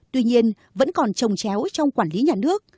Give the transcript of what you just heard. tuy nhiên vẫn còn trồng chéo trong quản lý nhà nước